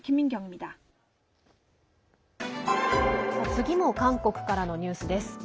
次も韓国からのニュースです。